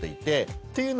っていうのは